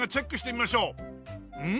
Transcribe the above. うん。